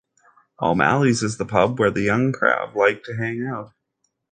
O'Malley's is the pub where the young crowd like to hang out.